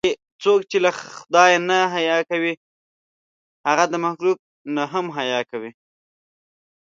څوک چې له خدای نه حیا کوي، هغه د مخلوق نه هم حیا کوي.